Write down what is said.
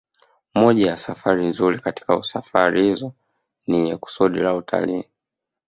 Moja ya safari nzuri katika safari hizo ni yenye kusudi la utalii